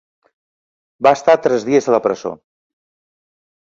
Va estar tres dies a la presó.